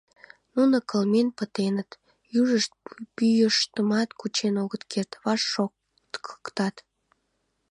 Нуно кылмен пытеныт, южышт пӱйыштымат кучен огыт керт, ваш шолткыктат.